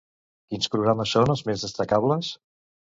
Quins programes són els més destacables?